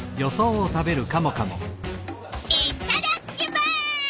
いっただきます！